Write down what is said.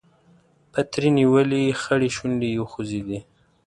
پتري نيولې خړې شونډې يې وخوځېدې.